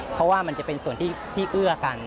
เพราะว่ามันจะเป็นส่วนที่เอื้อกัน